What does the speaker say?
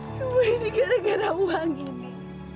suhu ini gara gara uang ini